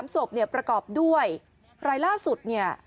๓ศพประกอบด้วยรายล่าสุด